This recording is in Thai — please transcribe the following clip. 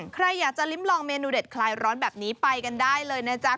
ใครอยากจะลิ้มลองเมนูเด็ดคลายร้อนแบบนี้ไปกันได้เลยนะจ๊ะ